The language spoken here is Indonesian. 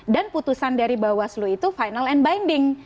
dan putusan dari bawaslu itu final and binding